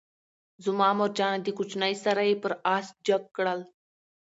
زما مورجانه دکوچنی سره یې پر آس جګ کړل،